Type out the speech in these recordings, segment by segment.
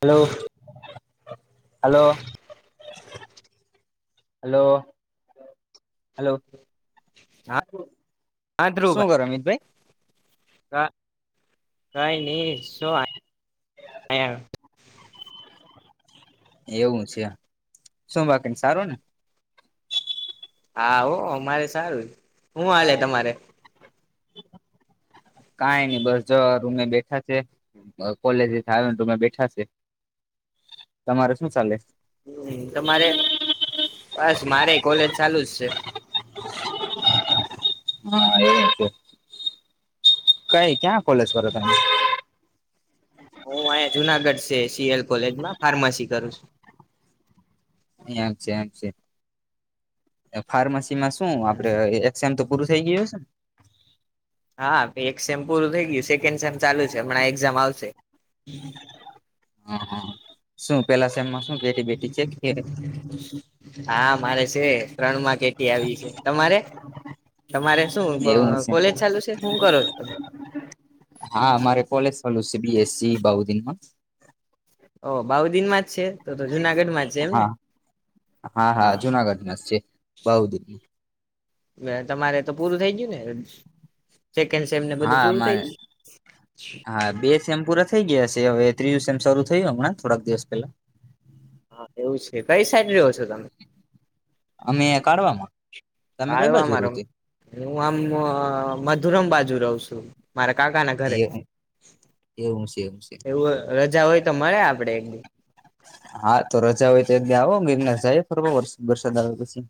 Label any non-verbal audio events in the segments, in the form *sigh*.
Hello hello hello હે, હા સુ કરો અમિતભાઈ? ક કઈ ની સુ આ યા એવું છે, સુ બાકીન સારું ને? હા હો અમારે સારું છ. હું હાલે તમારે? કાઈ ની બસ જો હવે રૂમે બેઠા છે. કોલેજ *unintelligible* તોમે બેઠા છે. તમારે શું ચાલે? હમ્મ, તમારે, બસ મારે એ કોલેજ ચાલુ જ છે. હ એજ, કઈ ક્યાં કોલેજ કરો તમે? હું અહીયા જુનાગઢ છે સી એલ કોલેજમાં ફાર્મસી કરું સુ. એમ છે એમ છે, ફાર્મસી માં શું છું આપડે એક સેમ તો પૂરુ થઈ ગ્યું હેસેન? હા એક સેમ પૂરું થઈ ગ્યું, સેકેન્ડ સેમ ચાલુ છે હમણાં એક્ઝામ આવશે. હ હ, શું પેલા સેમમાં શું બેટી બેટી છે કે *unintelligible* હા મારે છે ત્રણ માં કે ટી આવી છે, તમારે? તમારે શું બ એવું છે કોલેજ ચાલુ છે, હું કરો છો તમે? હા મારે કોલેજ સલુ છે બી એસ સી બાઉદીનમાં. ઓ બાઉદીનમાં જ છે તો તો જુનાગઢમાં જ છે એમને? હા હા હા જુનાગઢ ના જ છે, બાહુદીરની. તમારે તો પૂરું થઈ ગ્યું ને ર સેકન્ડ સેમને બધું હા પૂરું મારે થઈ ગ્યું? હા બે સેમ પૂરા થઈ ગ્યા સે, હવે ત્રીજું સેમ શરું થયું હમણાં થોડાક દિવસ પેલા. હા એવું છે, કઈ સાઈડ રહ્યો છો તમે? અમે કાઢવામાં. તમે કઈ બાજુ રહો કાળવામારોમ, તે હું આમ અમ મધુરમ બાજુ રહું છું. મારા કાકા ના ઘરે. એવું એવું છે છે એવું રજા હોય તો મળે આપડે એક દી? હા તો રજા હોય ત્યા એક દી આવો મીરનાર જાયે ફરવા વરસાદ બરસાદ આવે પછી.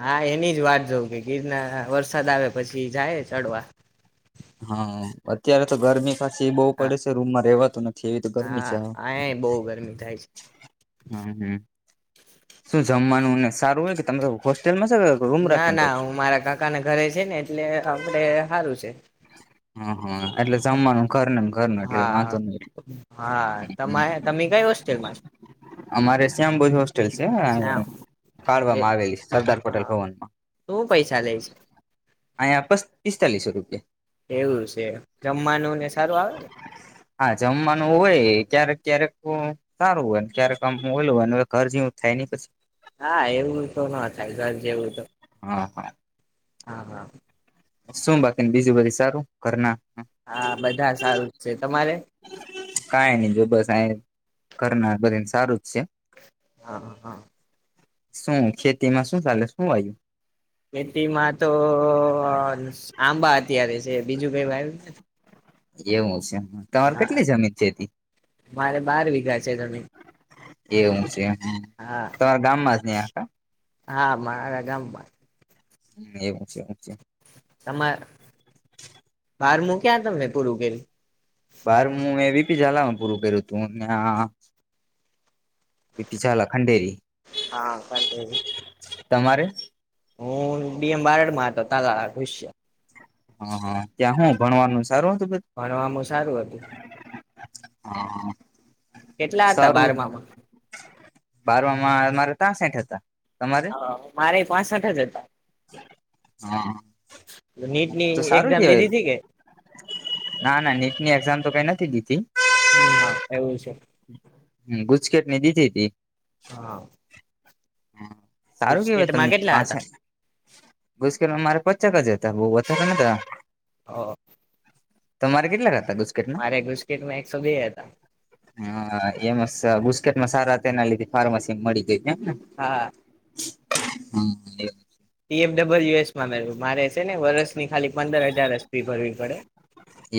હા એની જ વાટ જોવું, કે ગીરના વરસાદ આવે પછી જાયે ચડવા. હા અત્યારે તો ગરમી પાછી બહુ હા પડે છે રૂમમાં રેહવા થી એવી તો ગરમી છે હા હ આ બહુ ગરમી થાય છે હમ્મ હમ્મ. શું જમવાનું ને સારું હોય કે તમે લોકો હોસ્ટેલમાં છે કે રૂમ ના રાખીને રહો ના છો હું મારા કાકા ના ઘરે છે ને એટલે આપડે હારું છે. હ, એટલે જમવાનું કરનન ઘરનો, એટલે વાંધો હા ની એટલો. હા તમારે તમે કઈ હોસ્ટેલમાં અમારે શ્યામ ભોજ હોસ્ટેલ છે અ છો હા એ કાળવામાં આવેલી છ, સરદાર પટેલ હા ભવનમાં. શું પૈસા લે અયા પ પી સ્તાલીસો રૂપિયા. એવું છે, જમવાનું ને સારું આવે? હા જમવાનું હોય ક્યારેક ક્યારેક તો સારું હોય ને ક્યારેક આમ મોલું હોય ને હવે ઘર જેવુ જ થાય ની પછી? હા એવું તો ના થાય ઘર જેવું તો. હા હા. હા હા. શું બાકીન બીજી બધી સારું ઘરના? હા બધા સારું જ છે, તમારે? કઈ નઈ જો બસ આ કરનાર બધાયેન સારું જ છે. હા હા હા. શું ખેતીમાં શું ચાલે, હું વાયુ? ખેતીમાં તો આંબા અત્યારે છે, બીજું કઈ વાઇવું નથી. એવું છે તમાર કેટલી જમીન છેતી મારે બાર વીઘા છે જમીન એવું છે હા તમારા ગામમાં જ ન આખા હા મારા ગમ બાત એવું છે એવું છે તમારે બાર મુૂક્યા તને પૂરું કરીલ બાર હું મે વીપી ઝાલાનું પૂરું કર્યું હતું ને પટી ચાલા ખંડેરી હા તમારે હું બ એમ બારડ માં હતો તાુશ્ય હા હા ત્યાં હું ભણવાનું છે ભણ આમું સારું હતું હા કેટલા હતા બારમામાં બારમાં મારા તં સેઠ હતા તમારે હા મારે પા સાઠ જ હતા નીટની તો સારું એક્ઝામ કેવાય લીધી હતી કે ના ના નીટની એક્ઝામ તો કઈ નથી દીધી હમ હા એવું છે ગુચકેટની દીધી તી હા સારું કેવાય ગુસ્કેટમાં તમને કેટલા પાછ હતા ગુસ્કેલમાં મારે પચાકા જતા બહ વધારે નતા હા તમારે કેટલા તા મેં નાસ્ એકસો બે હતા હા હા એમ સ ટ સારા તેના લી ફાર્માસી મળી જાય છેને હા હમ બલ્યુ એસમાંવ મારે છે ને વરષની ખાલી પંદર હજાર હસ્ ભરવી પડે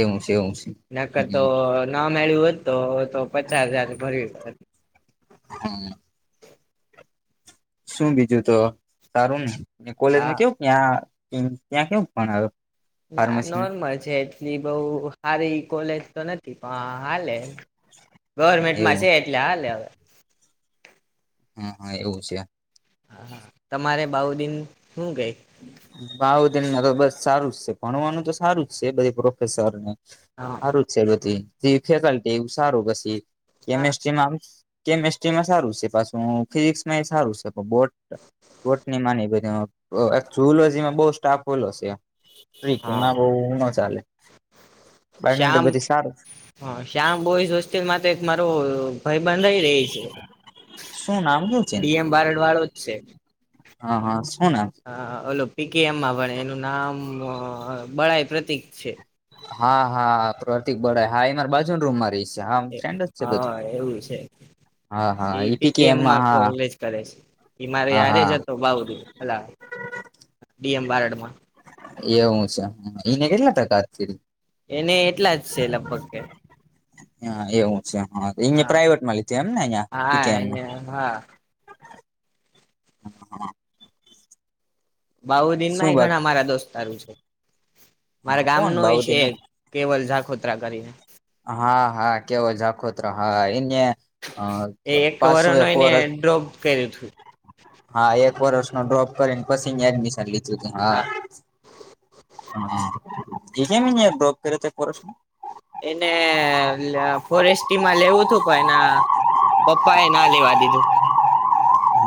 એવું છે એવું છે નકર તો હમ ના મેળ્યું હો જ તો તો પચાસ હજાર ભર્યું શું બીજું તો સારું ને કોલેજમાં હા કેવું ત્યાં કેવું પણ્યો ના નોર્મલ છે એટલી બઉ સારી કોલેજ તો નથી પણ હાલે ગવર્મેન્ટમાં એવું છે એટલે હાલે હવે હા હા એવું છે હા હા તમારે બાઉ દિન શું કઈ ભાવ તેમાં તો બસ સારું જ છે ભણવાનું તો સારું જ છે બધ પ્રોફેસર ને હા સારું જ છેધી ફેકલ્ટી એું સારું પછી કેમેસ્ટ્રીમાંમ કેમેસ્ટ્રીમાં સારું છે પાછું ફિઝિક્સમાં એ સારું છે બોટ બોટ ની માની બધી ઓ જેમાં બઉ સ્ટાફ ઓલો છે સ્ટક હા એમાં બ ન ચાલે બાકી તો શ્યામ બધી સારું હ શ્યામ બોઈઝ વસ્તી મા એક મારો ભય બંધાઈ રહી છે શું નામ શું છે ડીએમ બારડ વાળો જ છે હા હા શું નામ હ ઓલો પી કે એમમાં ભણે એનું નામ બળાઈ પ્રતીક છે હા હા પ્રતિક બરા હા એ મારે બાજુ ને રૂમ માં રહીશ હા એવું છે હા એ હા ઈ પી કે એમાં પીકેએમમાં હા કોલેજ કરે છે એ મારે હા યારે જ હા હતો બાઉદી હલા *unintelligible* ડીએમ બારડમાં એવું છે એને કેટલા ટકારી એને એટલા જ છે લગભગ કે હા એવું અયા હા પ્રઇવેટમાં લીધું એમને હા અીમ એને હા હા હા બાઉદીનમાંય બાત ઘણા મારા દોસ્તારું છે. મારા ગામ ન કોણ એ છે બાઉદીને કેવલ જાઝાખોતરા કરીને હા હા કેવો જાખોતરા હા એને એ એક વર પાસું ન એક એને વર્ષ ડ્રોપ કર્યું હતું હા એક વર્ષ ડ્રોપ કરીને પછી એડમિશન લીધું હા *inaudible* ફોરેસ્ટમાં લેવું તું કોને પપ્પા એ ના લેવા દીધું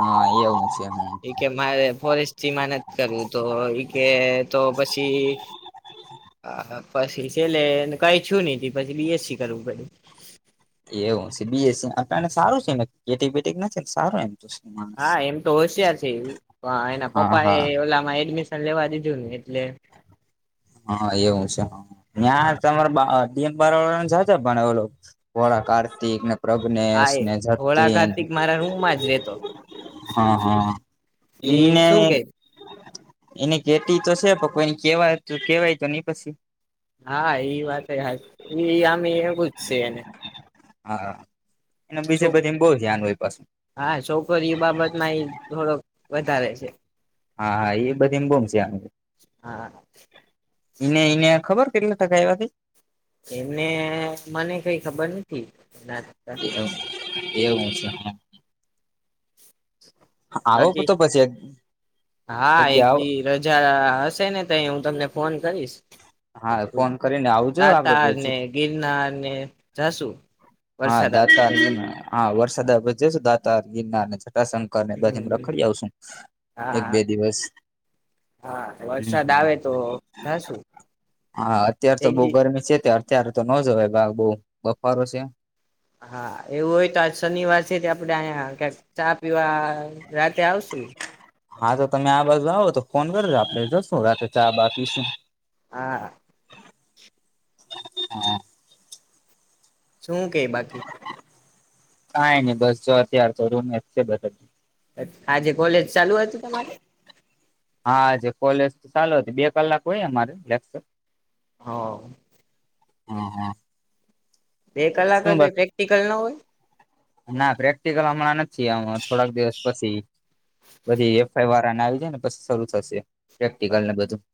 હા એવ છે. એ હા, કે મારે ફોરેસ્ટ થી મહેનત કરું તો એ કે તો પછી હા પછી છેલ્લે કઈ છું નહ પછી બીએસસી કરવું પડું એવું છે બીસ આપને સારું છે કેટીક બેટીક ના ને સારું એમ તો છે માણસ હા એમ તો હોશિયાર છે એના હા પપ્પા એ હા ઓલામાં એડમિશન લેવા દીધું ને એટલે હા એવું છે, ન્યા હા તમારે બે બાર વાળા ને જાતા પણ વોળા કાર્તિક હા પ્રગ્ઞેશ, એ ને ભોળા જતીન કાર્તિક મારા રૂમમાં જ રેતો હ હ એ ઇને શું કે એને કેટી તો છે, પઈ એ કેવાય કેવાય તો નહી પછી હા એ વાત હાચી, આમ એવું જ છે એને હા એને છો બીજે બધીમાં બહુ ધ્યાન હોય પાછું હા છોકરી બાબતમાં ય થોડોક વધારે છે. હા હા એ બધી એમ ગોમ છે આ હા ઇને ઇને ખબર કેટલા ટકા આવાતાઇ એમને મને કઈ ખબર નથી એના એવું છે હ આવો પ બાકી તો પછી એક હા એક દી રજા હશે ને તયે, હું તમને ફોન કરીશ હા ફોન કરીને આવજો આપડે દાતાારને, પહોંચી ગિરનાર ને જાશુ. હા દાતાર, હા વરસાદ આવે પછી જસુ દાતા ગીરનાર શંકર ને બધી હમ રખડી આવશું એક હા બે દિવસ હા વરસાદ આવે તો જાશું હા અત્યાર તો એક બઉ દી ગરમી છે અત્યારે તો ન જય બહ બફારો છે. હા એવું હોય તો આ શનિવાર છે આપણે ચા પીવા રાતે આવશે. હા તો તમે આ બાજુ આવો તો ફોન કરજો આપે જશું રાત્ર ચા બા પીશું હા હા શું કે બાકી? કાઈ નઈ બસ જો અતાર તો રૂમશે બસ આજે કોલેજ ચાલુ હતી‌ તમારી હાજે કોલેજ તો ચાલુ હતી બે કલાક હોય અમારે લેક્ચર હા હુ હુ બે કલાક જ હો પ્રેક્ટિકલ નો હોય ના પ્રેક્ટિકલ હમણાં નથી, આ થોડાક દિવસ પછી બધી એફઆઈ વાર આવી જાય ને પછી શરૂ થશે પ્રેક્ટિકલને બધું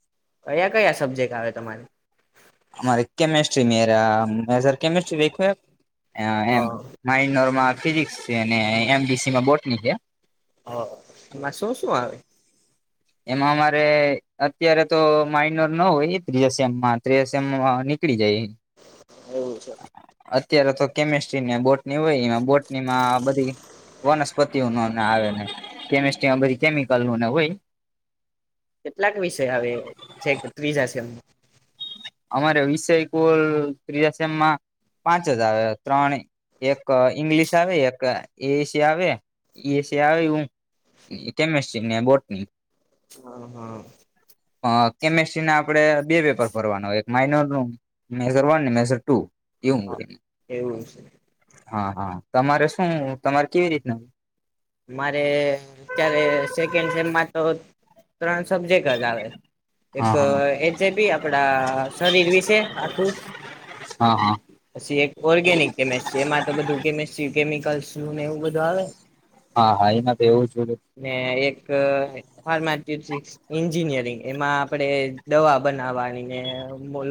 કયા કયા સબ્જેક્ટ આવે તમારે‌? અમારે *unintelligible* મેજર કેમિસ્ટ્રી હ *inaudible* ફિઝિકસ છે, એમબસીમાં બોટની છે. હ મા શું શું હવે એમાં અમારે અત્યારે તો માઇનોર ન હોય ત્રીમમાં તસમ નીકળી જાય. એવું છે. અત્યારે તો કેમિસ્ટ્રી ને બોટની હોય એમાં બોટનીમાં બધી વનસ્પતિઓ ન આવે કેમેસ્ટ્રીમાં બધી કેમિકલ નું ને હોય. કેટલાક વિષય આવે છે કે ત્રીજા સેમ અમારે વિષય કુલ ત્રીજા સેમમાં પાંચ જ આવે ત્રણે એક ઈંગ્લિશ આવે, એક એશિયા આવે એશિયા આવે હું કેમેસ્ટ્રી ને બોટની હા. હા. અ કેમેસ્ટ્રી ના આપડે બે પેપર ભરવાના હોય, એક માઇનર નું મેઝર વનને, મેઝર ટુ એવું હા હોય. એવું છે. હા. હા. તમારે શું તમારે કેવી રીતના? મારે અત્યારે સેકન્ડ સેમમાં તો ત્રણ સબ્જેક્ટ જ આવે. એક હા તો હા એચએઆપી આપડા શરીર વિશે આખું હા હા પછી એક ઓર્ગેનિક કેમેસ્ટ્રી એમાં તો બધું કેમસ્ટ કેમિકલ શું ને એવું બધું આવે. હા. હા એમાં તો એવું જોયું ફાર્માચ્યુટિક્સ એન્જિનિયરિંગ એમાં આપણેે દવા બનાવાની ને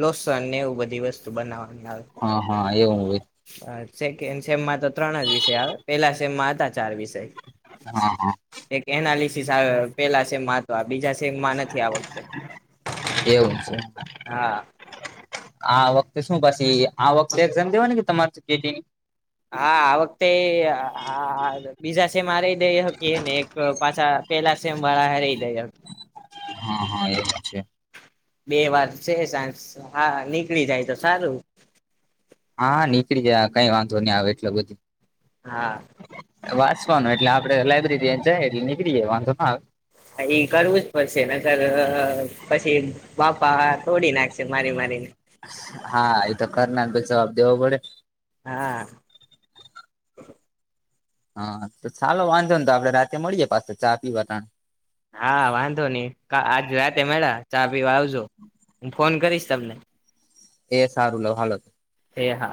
લોસન ને એવું બધી વસ્તુ બનાવવાવામાં આવે હા હા એવું હોય હ સેકન્ડ સેમમાં તો ત્રણ જ વિષય આવે, પેલા સેમમાં હતા ચાર વિષય. એક એનાલિસ આવ, પેલા સેમમાં હતો આ બીજા સેમ માં નથી આ વખતે એવું છે. હા આ વખતે શું પછી આ વખતે એઝામ દેવાની તમારે *unintelligible* હા આ વખતે બીજા છે મારે દકી ને એક પાછા પેલા સેમ વાળા હઈ દે હા હા એવ છે બે વાર છે સાંજ હા નીકળી જાય તો સારું હા નીકળી જાય કઈ વાંધો નહી આવે એટલે બધું હા. વાંવાનું એટલે આપડે લાયબ્રેરી જાય એટલે નીકળી જાય વાંધો ના આવે એઈ કરવું જ પડશે નગર પછી બાપા થોડી નાખશે મારી મારીને હા એ તો કરનાર તો જવાબ દેવો પડે હા. હા તો ચાલો વાંધો ને તો આપડે રાતે મળીએે પાસે તો ચા પીવા ત હા વાંધો નહી આજ રાતે મળ્યા ચા પીવા આવજો હું ફોન કરીશ તમને. એ સારું લ હ છે. એ હા